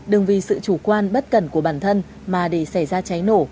đừng vì sự chủ quan bất cẩn của bản thân mà để xảy ra cháy nổ